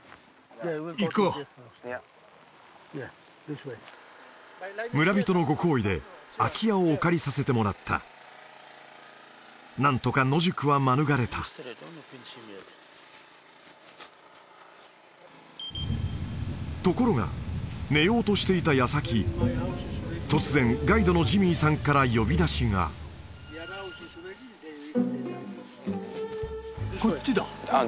行こう村人のご好意で空き家をお借りさせてもらった何とか野宿は免れたところが寝ようとしていた矢先突然ガイドのジミーさんから呼び出しがこっちだああ